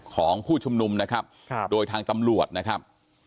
ของผู้ชุมนุมนะครับโดยทางตำรวจนะครับ